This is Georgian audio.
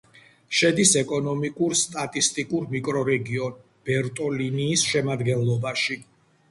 შედის ეკონომიკურ-სტატისტიკურ მიკრორეგიონ ბერტოლინიის შემადგენლობაში.